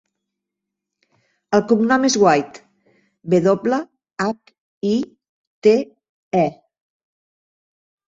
El cognom és White: ve doble, hac, i, te, e.